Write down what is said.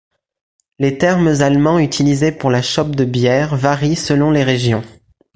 Les termes allemands utilisés pour la chope de bière varient selon les régions.